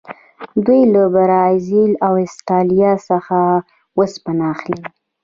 دوی له برازیل او اسټرالیا څخه اوسپنه اخلي.